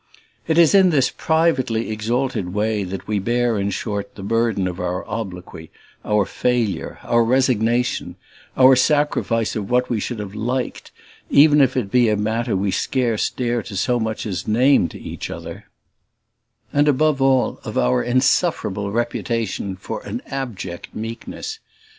It is in this privately exalted way that we bear in short the burden of our obloquy, our failure, our resignation, our sacrifice of what we should have liked, even if it be a matter we scarce dare to so much as name to each other; and above all of our insufferable reputation for an abject meekness.